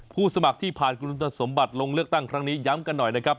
สมัครที่ผ่านคุณสมบัติลงเลือกตั้งครั้งนี้ย้ำกันหน่อยนะครับ